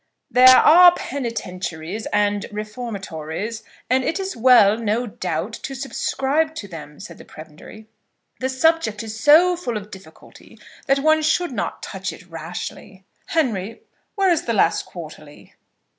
"There are penitentiaries and reformatories, and it is well, no doubt, to subscribe to them," said the Prebendary. "The subject is so full of difficulty that one should not touch it rashly. Henry, where is the last Quarterly?"